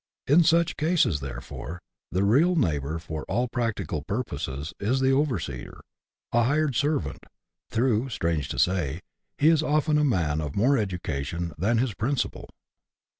In such cases, therefore, the real neighbour for all practical purposes is the overseer, a hired servant, though, strange to say, he is often a man of more education than his principal.